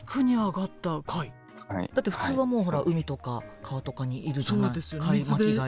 だって普通はもうほら海とか川とかにいるじゃない巻き貝って。